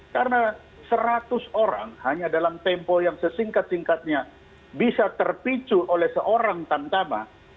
karena seratus orang hanya dalam tempo yang sesingkat singkatnya bisa terpicu oleh seorang tanpa